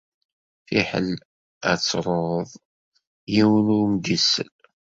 Fiḥel ad truḍ, yiwen ur m-d-isell.